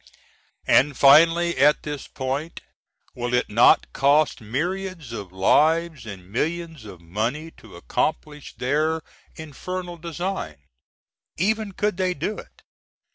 And, finally, at this point, will it not cost myriads of lives & millions of money to accomplish their infernal designs, even could they do it?